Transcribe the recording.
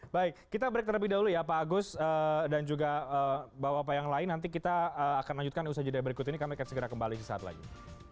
baik kita break terlebih dahulu ya pak agus dan juga bapak bapak yang lain nanti kita akan lanjutkan usaha jeda berikut ini kami akan segera kembali sesaat lagi